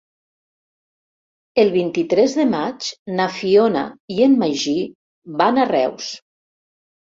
El vint-i-tres de maig na Fiona i en Magí van a Reus.